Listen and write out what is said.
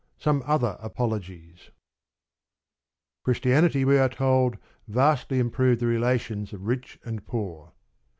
SOME OTHER APOLOGIES Christianity, we are told, vastly improved the relations of rich and poor.